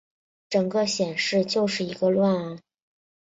整个显示就是一个乱啊